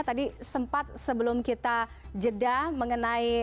tadi sempat sebelum kita jeda mengenai covid sembilan belas